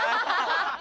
ハハハ。